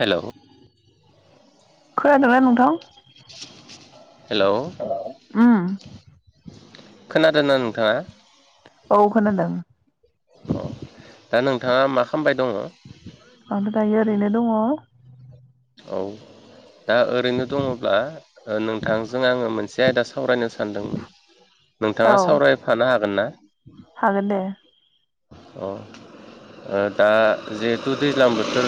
Hello खोनादों ना नोंथां? हेलौ उम खोनादोंना नोंथाङा? औ खोनादों दा नोंथाङा मा खामबाय दङ'? आओमफ्राय दायो ओरैनो दङ'। औ दा ओरैनो दङब्ला ओ नोंथांजों आङो मोनसे आयदा सावरायनो सानदोंमोन। नोंथाङा सावरायफानो हागोन ना? हागोन दे। अ ओ दा जिहेथु दैज्लां बोथोर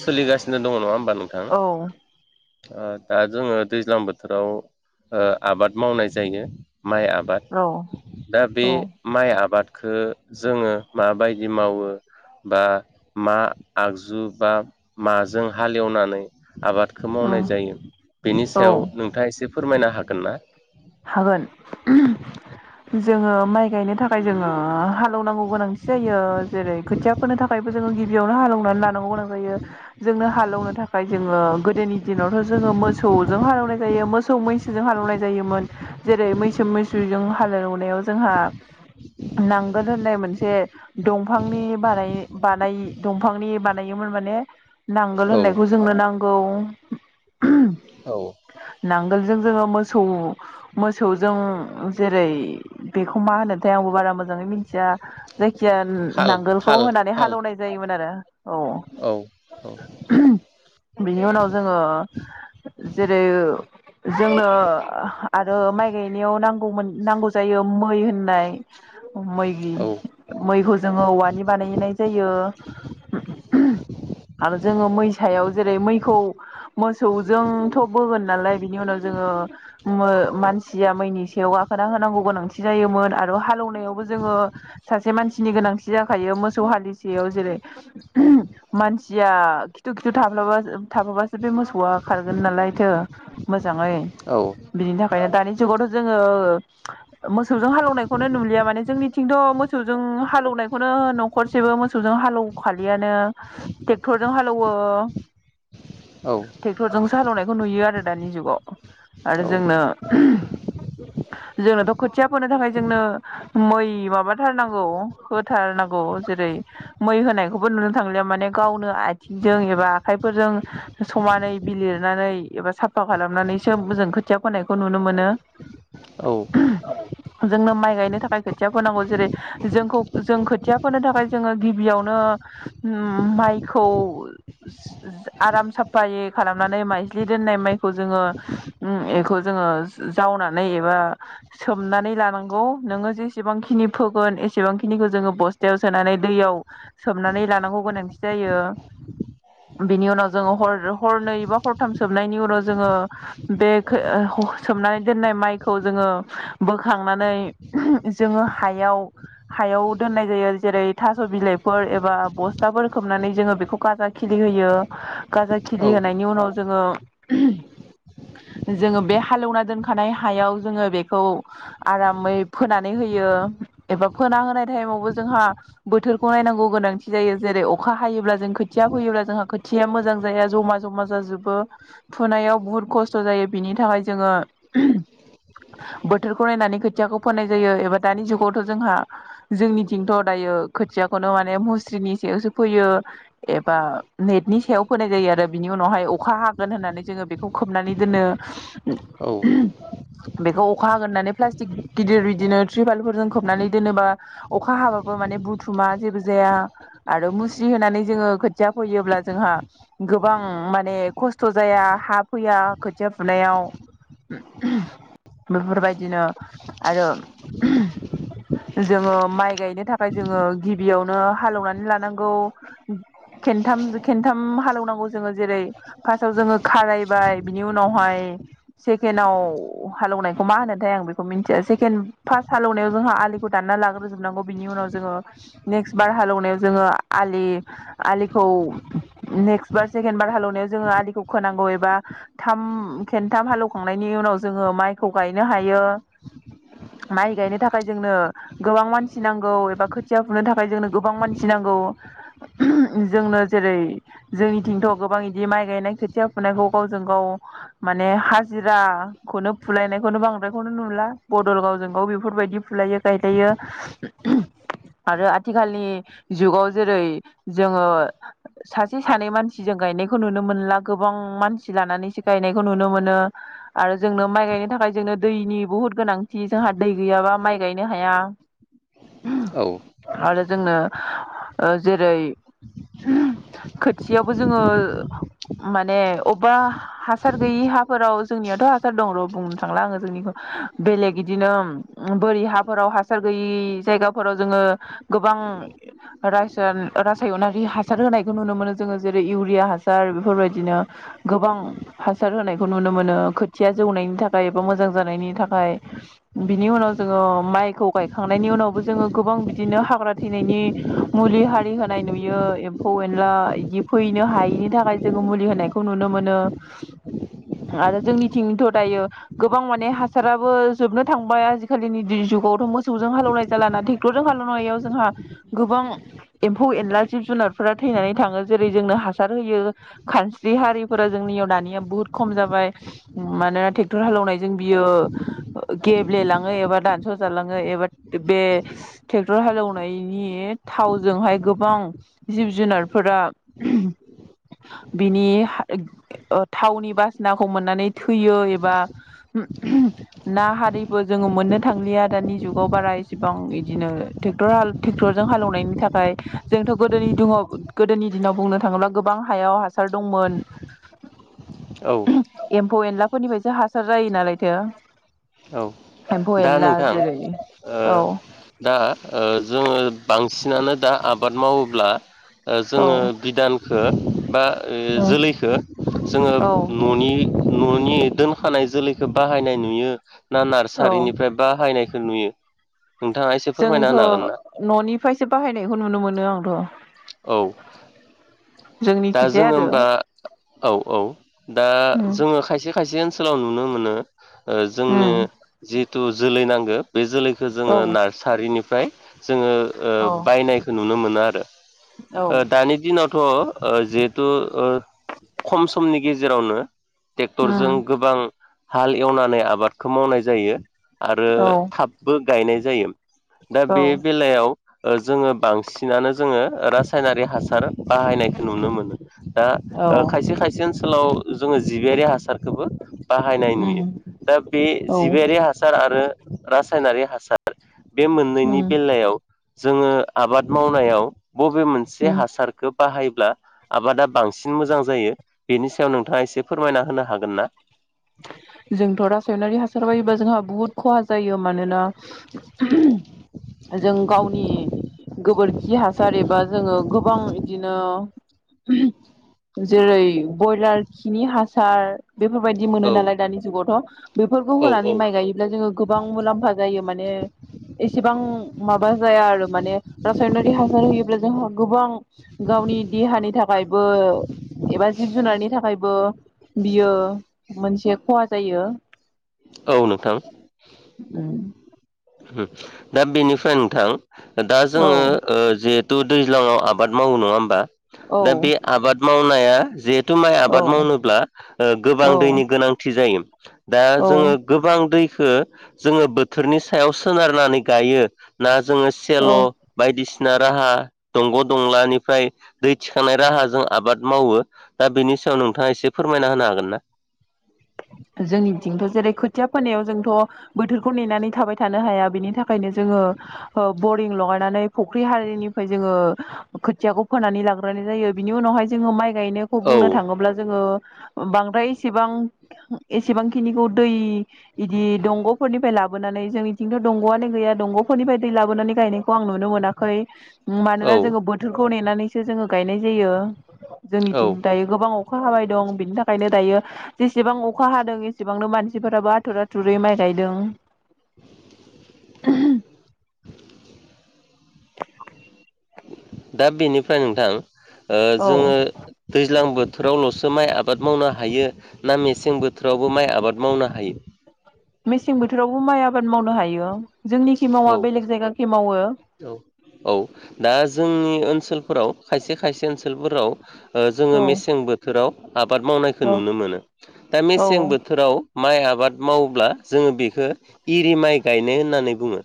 सोलिगासिनो दङ नङा होम बा नोंथां औ ओ दा जोङो दैज्लां बोथोराव ओ आबाद मावनाय जायो। माइ आबाद औ दा बे माइ आबादखो जोङो माबायदि मावो बा मा आगजु बा माजों हालेवनानै आबादखौ मावनाय उम जायो बेनि औ सायाव नोंथाङा एसे फोरमायनो हागोन ना? हागोन मावनांगौ गोनांथि जायो जेरै खोथिया फोनो थाखाय जोङो गि बियावनो हालेवनानै लानांगौ गोनां जायो। जोंनो हालेवनो थाखाय जोङो गोदोनि दिनावथ' जोङो मोसौ सौजों हालेवनाय जायो मोसौ मैसोजों हालौवनाय जायोमोन जेरै मैसो मोसौजों हालेवनायाव जोंहा नांगोल होननाय मोनसे दंफांनि बानाय बानाय दंफांनि बानायोमोन माने नांगोल होननायखौ जोंनो नां गौ औ नांगोलजों जोङो मोसौ मोसौजों जेरै बेखौ मा होनोथाय आंबो बारा मोजाङै मिथिया जाय खिया थाल नांगोलखौ थाल होनानै थाल हालौवनाय जायोमोन आरो औ। औ औ बिनि उनाव जोङो जेरै जोंनो आरो माइ गायनायाव नांगौमोन नांगौ जायो मै होननाय। मै औ मैखौ जोङो औवानि बानायनाय जायो। आरो जोङो मैसायाव जेरै मैखौ मोसौजोंथ' बोगोन नालाय बिनि उनाव जों ओ मो मानसिया मैनि सायाव गाखोना होनांगौ गोनांथि जायोमोन आरो हालौवनायावबो जोङो सासे मान मानसिनि गोनांथि जाखायो मोसौ हालिसेयाव जेरै मानसिया खिथु खिथु थाब माब्लाब थाबफाबासो बे मोसौआ खारगोन नालायथो मोजाङै औ बिनि थाखाय ओंखायनो दानि जुगावथ' जोङो मोसौजों हालेवनायखौनो नुलिया माने जोंनिथिंथ' मोसौजों हालौवनायखौनो न'खरसेबो मोसौजों हालेवखालियानो टेक्टरजों हालौवो। [inaudible] ट्रेक्टरजोंसो सालौनायखौ नुयो आरो दानि जुगाव औ आरो जोंनो [inaudible] जोंनोथ' खोथिया फोनो थाखाय जोंनो मै माबाथारनांगौ होथारनांगौ जेरै मै होनायखौबो नुनो थांलिया माने गावनो आथिंजों एबा आखाइफोरजों समानै बिलिरनानै एबा साफा खालामनानैसो जों खोथिया फोनायखौ नुनो मोनो। औ। जोंनो माइ गायनो थाखाय खोथिया फोनांगौ जेरै जोंखौ जों खोथिया फोनो थाखाय जोङो गिबियावनो माइखौ आराम साफायै खालामनानै माइजलि दोननाय माइखौ जोङो उम एखौ जोङो जावनानै एबा सोमनानै लानांगौ नोङो जेसेबांखिनि फोगोन। एसेबांखिनिखौ जोङो बस्थायाव सोनानै दैयाव सोमनानै लानांगौ गोनांथि जायो। बिनि उनाव जोङो हर हरनै बा हरथाम सोबनायनि उनाव जोङो बे खो ओ। सोमनानै दोननाय माइखौ जोङो बोखांनानै जोङो हायाव हायाव दोननाय जायो जेरै थास' बिलाइफोर एबा बस्थाफोर खोबनानै जोङो बेखौ गाजा खिलि होयो गाजा खिलि होनायनि उनाव जोङो जोङो बे हालेवना दोनखानाय हायाव जोङो बेखौ आरामै फोनानै होयो एबा फोन ना होनाय टाइमावबो जोंहा बोथोरखौ नायनांगौ गोनांथि जायो जेरै अखा हायोब्ला जों खोथिया फैयोब्ला जों जोंहा खोथिया मोजां जाया जमा जमा जाजोबो फुोननायाव बुहुत खस्थ' जायो बिनि थाखाय जोङो बोथोरखौ नायनानै खोथियाखौ फोननाय जायो एबा दानि जुगावथ' जोंहा जोंनिथिंथ' दायो ओ खोथियाखौनो माने मुस्रिनि सायावसो फैयो एबा नेटनि सायाव फोनाय जायो आरो बिनि उनावहाय अखा हागोन होननानै जोङो बेखौ खोबनानै दोनो औ बेखौ अखा होगोन होननानै प्लास्टिक गिदिर बिदिनो त्रिपालफोरजों खोबनानै दोनोबा अखा हाबाफोर माने बुथुमा जेबो जाया आरो मुस होनानै जोङो खोथिया फैयोब्ला जोंहा गोबां माने खस्थ' जाया हा फैया खोथिया फुनायाव बेफोरबायदिनो आरो [inaudible] जोङो माइ गायनो थाखाय जोङो गिबियावनो हालेवनानै लानांगौ खेनथाम खेनथाम हालौनांगौ जोङो जेरै फार्स्टआव जोङो खारायबाय बिनि उनावहाय सेकेण्डआव हालौवनायखौ मा होनोथाय आं बेखौ मिन्थिया सेकेण्ड फार्स्ट हालेवनायाव जोंहा आलिखौ दाननानै लाग्रोजोबनांगौ बिनि उनाव जोङो नेक्स्ट बार हालेवनायाव जोङो आलि आलिखौ नेक्स्ट बार सेकेणड बार हालौवनायाव जोङो आलिखौ खोनांगौ एबा थाम खेनथाम हालौ। खांनायनि उनाव जोङो माइखौ गायनो हायो माइ गायनो थाखाय जोंनो गोबां मानसि नांगौ एबा खोथिया फुनो थाखाय जोंनो गोबां मानसि नांगौ गौ जोंनो जेरै जोंनिथिंथ' गोबां बिदि माइ गायनाय खोथिया फुनाय गाव जों गाव माने जिराखौनो फुलायनायखौनो बांद्रायखौनो नुला बदल गावजों गाव बेफोरबायदि फुलायो गायलायो। [unintelligible] आरो आथिखालनि जुगाव जेरै जोङो सासे सानै मानसिजों गायनायखौ नुनो मोनला गोबां मानसि लानानैसो गायनायखौ नुनो मोनो। आरो जोंनो माइ गायनो थाखाय जोंनो दैनि बहुद गोनांथि जोंहा दै गैयाबा माइ गायनो हाया [inaudible] औ आरो जोंनो ओ जेरै [inaudible] खोथियावबो जोङो माने अबेबा हासार गैयि हाफोराव जोंनियावथ' हासार दं र' बुंनो थांला आङो जोंनिखौ बेलेग बिदिनो ओम बोरि हाफोराव हासार गैयै जायगाफोराव जोङो गोबां रासाय-रासायनारि हासार होनाय खौ नुनो मोनो जोङो जेरै इउिया हासार बेफोरबायदिनो गोबां हासार होनायखौ नुनो मोनो खोथिया जौनायनि थाखाय एबा मोजां जानायनि थाखाय बिनि उनाव जोङो माइखौ गायखांनायनि उनावबो जोङो गोबां बिदिनो हाग्रा थैनायनि मुलि हारि होनाय नुयो एमफौ एनला इदि फैनो हायिनि थाखाय जोङो मुलि होनायखौ नुनो मोनो। [inaudible] आरो जोंनिथिंथ' दायो गोबां माने हासारयाबो जोबनो थांबाय आजि खालिनि दि जुगाव खौथ' मोसौजों हाल एवनाय जाला ना ट्रेक्टर जों हालनायाव जोंहा गोबां एम्फौ एनला जिब जुनार फोरा थैनानै थाङो जेरै जोंनो हासार होयो खानस्रि हारिफोरा जोंनियाव दानिया बहुद खम जाबाय ओम मानोना ट्रेक्टर हालेवनायजों बियो गेब्लेलाङो एबा दानस' जालाङो एबा बे ट्रेक्टर हालेवनायनि थावजोंहाय गोबां जिब जुनारफोरा बिनि ओ थावनि बासनाखौ मोननानै थैयो एबा ना हारिबो जोङो मोननो थांलिया दा दानि जुगाव बारा इसेबां इदिनो ट्रेक्टर हाल ट्रेक्टरजों हालेवनायनि थाखाय जोंथ' गोदो गोदोनि दिनाव गोदोनि दिनाव बुंनो थाङोब्ला गोबां हायाव हासार दंमोन। औ। एम्फौ-एनलाफोरनिफ्रायसो हासार जायो नालायथो औ। एम्फौ दा एनला नोंथां जेरै ओ औ दा ओ जोङो बां सिनानो दा आबाद मावोब्ला ओ औ जोङो बिदानखौ बा ओ जोलैखो जोङो औ न'नि न'नि दोनखानाय जोलैखौ बाहायनाय नुयो ना औ नारसारिनिफ्राय बाहायनाय खौ नुयो? नोंथाङा एसे फोरमायना जोंथ' होनो हागोन ना? न'निफ्रायसो बाहायनायखौ नुनो मोनो आंथ' औ। दा जोंनिखिजाया जोङो आरो होमबा औ औ दा उम जोङो खायसे खायसे ओन सोलाव नुनो मोनो ओ जोंनो उम जिहेथु जोलै नांगौ बे जोलैखौ औ जोङो नारसारिनिफ्राय जोङो ओ औ बायनायखौ नुनो मोना आरो। औ ओ दानि दिनावथ' ओ जिहेथु ओ खम समनि गेजेरावनो ट्रेक्टरजों उम गोबां हाल एवनानै आबादखौ मावनाय जायो आरो औ थाबबो गायनाय जायो। दा औ बे बेलायाव ओ जोङो बांसिनानो जोङो रासायनारि हासार बाहायनायखौ नुनो मोनो दा औ ओ खायसे खायसे ओनसोलाव जोङो जिबियारि हासारखौबो बाहायनाय उम नुयो। दा बे औ जिबायारि हासार आरो रासायनारि हासार बे मोननैनि उम बेलायाव जोङो आबाद मावनायाव बबे मोनसे उम हासारखौ बाहायोब्ला आबादा बांसिन मोजां जायो? बेनि सायाव नोंथाङा एसे फोरमायना होनो हागोन ना? जोंथ' रासायनारि हासार बायोबा जोंहा बुहुत खहा जायो मानोना [inaudible] जों गावनि गोबोरखि हासार एबा जोङो गोबां इदिनो जेरै बयलार खिनि हासार बेफोरबाय बिदि मोनो औ नालाय दानि जुगावथ'।बेफोरखौ औ होनानै औ माइ गायोब्ला जोङो गोबां मुलाम्फा जायो मा ने एसेबां माबा जाया आरो माने रासायनारि हासार होयोब्ला जोंहा गोबां गावनि देहानि थाखायबो एबा जिब जुनारनि थाखायबो बियो मोनसे खहा जायो। औ नोंथां दा बेनिफ्राय नोंथां दा औ जोङो जि दैज्लाङाव आबाद मावो नङा होमबा औ दा बे आबाद मावनाया जिहेथु माइ औ आबाद मावनोब्ला गोबां औ दैनि गोनांथि जायो दा औ जोङो गोबां दैखौ जोङो बोथोरनि सायाव सोनारनानै गायो ना जोङो सेल' औ बायदिसिना राहा दंग' दंलानिफ्राय दै थिखांनाय राहाजों आबाद मावो दा बेनि सायाव नोंथाङा एसे फोरमायना होनो हागोन ना जोंनि बिथिंथ' जेरै खोथिया फोनायाव जोंथ' बोथोरखौ नेनानै थाबाय थानो हाया बेनि थाखायनो जों बरिं लगायनानै फुख्रि हारिनिफ्राय जोङो खोथियाखौ फोनानै लाग्रो जायो बिनि उनावहाय जोङो माइ गायनायखौ औ बुंनो थाङोब्ला जोङो बांद्राय इसेबां एसेबांखिनिखौ दै बिदि दंग'फोरनिफ्राय लाबोनानै जोंनिथिंथ' दंग'आनो गैया दंग'फोरनि बायदि लाबोनानै गायनायखौ आं नुनो मोनाखै औ मानोना जोङो बोथोरखौ नेनानैसो जोङो गायनाय जायो औ जोंनिथिं दायो गोबां अखा हाबाय दं बिनि थाखायनो दायो एसेबां अखा हादों एसेबांनो मानसिफोराबो आथुर आथुरै माइ गायदों [inaudible] दा बेनिफ्राय नोंथां औ जोङो दैज्लां बोथोरावल'सो माइ आबाद मावनो हायो ना मेसें बोथोरावबो माइ आबाद मावनो हायो मेसें बोथोरावबो माइ आबाद मावनो हायो जोंनिखि मावा औ बेलेग जायगाखि मावो औ औ दा जोंनि ओनसोलफोराव खायसे खायसे ओनसोलफोराव जोङो औ मेसें बोथोराव आबाद मावनायखौ औ नुनो मोनो दा औ मेसें बोथोराव माइ आबाद आबाद मावोब्ला जोङो बेखौ एरि माइ गायनो होननानै बुङो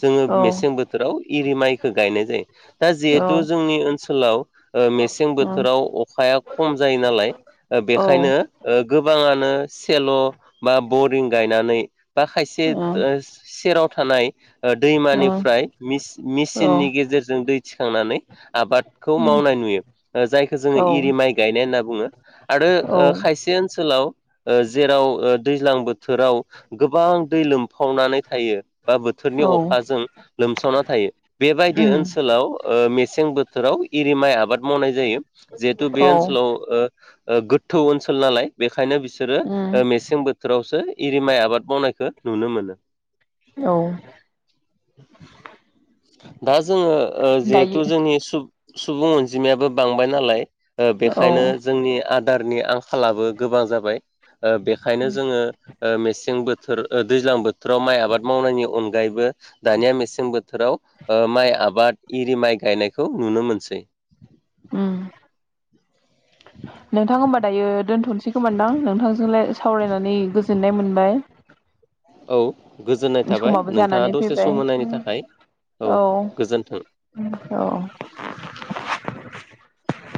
जोङो औ मेसें बोथोराव एरि माइखौ गायनाय जायो दा औ जिहेथु औ जोंनि ओनसोलाव मेसें बोथोराव अखाया खम जायो नालाय औ बेखायनो गोबाङानो सेल' बा बरिं गायनानै बा खायसे औ सेराव थानाय औ दैमानिफ्राय मेसिननि औ गेजेरजों दै थिखांनानै आबादखौ मावनाय नुयो जायखौ जोङो इरि माइ गायनाय होनना बुङो आरो खायसे ओनसोलाव जेराव दैज्लां बोथोराव गोबां दै लोमफावनानै थायो बा बोथोरनि अखाजों लोमसावना थायो बेबायदि उम ओनसोलाव मेसें बोथोराव एरि माइ आबाद मावनाय जायो जिहेथु औ बे ओनसोलाव गोथौ ओनसोल नालाय बे ओंखायनो बिसोरो उम मेसें बोथोरावसो इरि माइ आबाद मावनायखौ नुनो मोनो औ दा जोङो जिहेथु दायो जोंनि सुबुं अनजिमायाबो बांबाय नालाय औ बेखायनो जोंनि आदारनि आंखालाबो गोबां जाबाय बेखायनो जोङो मेसें बोथोराव दैज्लां बोथोराव माइ आबाद मावनायनि अनगायैबो दानिया मेसें बोथोराव माइ आबाद इरि माइ गायनायखौ नुनो मोनसै ओम नोंथां होमबा दायो दोनथ'नोसै खोमादां नोंथांजोंलाय सावरायनानै गोजोननाय मोनबाय औ गोजोननाय थाबाय समाबो नोंथाङा जानानै दसे सम होनायनि फैबाय थाखाय औ गोजोन्थों। औ औ [inaudible]